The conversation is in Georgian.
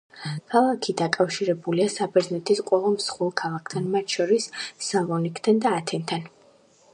ქალაქი დაკავშირებულია საბერძნეთის ყველა მსხვილ ქალაქთან, მათ შორის სალონიკთან და ათენთან.